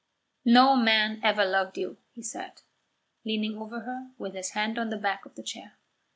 "No man ever loved you," he said, leaning over her with his hand on the back of the chair.